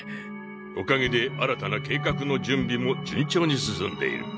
おかげで新たな計画の準備も順調に進んでいる。